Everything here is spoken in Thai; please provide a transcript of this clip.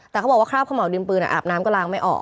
แต่เขาบอกว่าคราบขม่าวดินปืนอาบน้ำก็ล้างไม่ออก